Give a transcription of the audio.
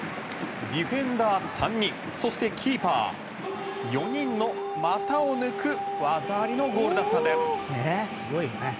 ディフェンダー３人そしてキーパー、４人の股を抜く技ありのゴールだったんです。